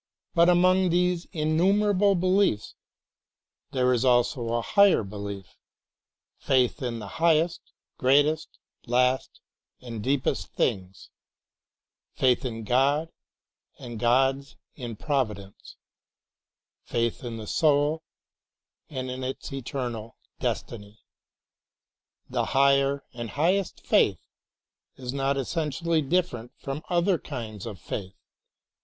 But among these innumerable beliefs there is also a higher belief, — faith in the highest, greatest, last and deepest things,— faith in God and God's in providence, faith in the soul and in its eternal destiny. This higher and highest faith is not T 11 E THREE M O T 1 \ E S O F F A 1 T 11 essentially different from other kinds of faith.